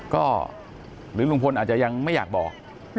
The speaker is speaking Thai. ก็หรือลุงพลอาจจะยังไม่อยากบอก